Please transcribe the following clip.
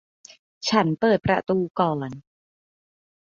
ฉันเปิดประตูก่อน